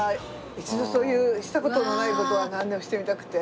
一度そういうした事のない事はなんでもしてみたくて。